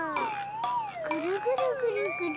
ぐるぐるぐるぐる。